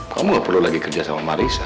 kamu gak perlu lagi kerja sama marissa